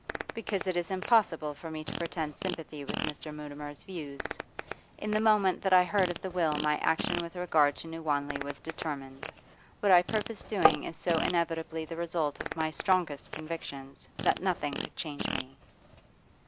'Because it is impossible for me to pretend sympathy with Mr. Mutimer's views. In the moment that I heard of the will my action with regard to New Wanley was determined. What I purpose doing is so inevitably the result of my strongest convictions that nothing could change me.